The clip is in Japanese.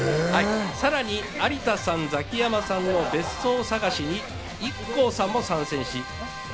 さらに、有田さん、ザキヤマさんの別荘探しに、ＩＫＫＯさんも参戦し笑